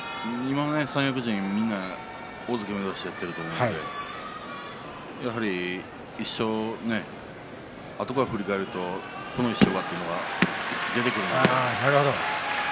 三役陣、大関を目指してやっていると思うのでやはりあとから振り返るとこの１勝がということが出てくると思います。